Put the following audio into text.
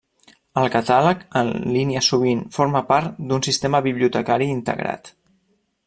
El catàleg en línia sovint forma part d'un sistema bibliotecari integrat.